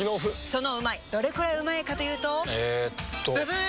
そのうまいどれくらいうまいかというとえっとブブー！